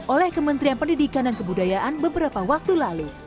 oleh kementerian pendidikan dan kebudayaan beberapa waktu lalu